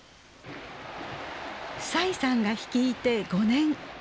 栽さんが率いて５年。